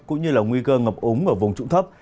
cũng như là nguy cơ ngập ống ở vùng trụng thấp